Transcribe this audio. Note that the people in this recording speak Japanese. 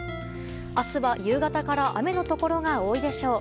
明日は夕方から雨のところが多いでしょう。